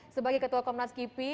sebagai ketua komnas kipi